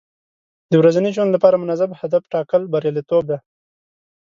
د ورځني ژوند لپاره منظم هدف ټاکل بریالیتوب دی.